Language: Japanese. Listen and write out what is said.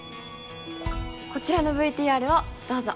こちらのＶＴＲをどうぞ。